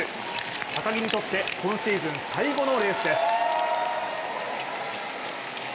高木にとって今シーズン最後のレースです。